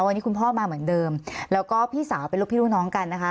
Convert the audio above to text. วันนี้คุณพ่อมาเหมือนเดิมแล้วก็พี่สาวเป็นลูกพี่ลูกน้องกันนะคะ